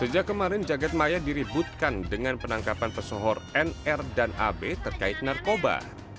sejak kemarin jagad maya diributkan dengan penangkapan pesohor nr dan ab terkait narkoba